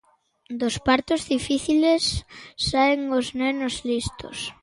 Dos partos difíciles saen os nenos listos.